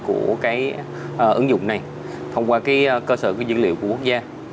ứng dụng này thông qua cái cơ sở dữ liệu của quốc gia